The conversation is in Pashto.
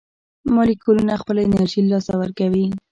مالیکولونه خپله انرژي له لاسه ورکوي.